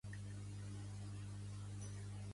Els espanyols, des de quan són negres?